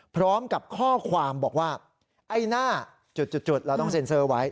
พร้อมกับข้อความบอกว่าไอ้หน้าจุดเราต้องเซ็นเซอร์ไว้